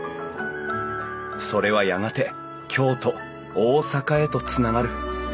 それはやがて京都大阪へとつながる。